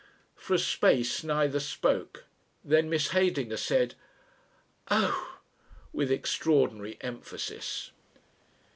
For a space neither spoke. Then Miss Heydinger said "Oh!" with extraordinary emphasis.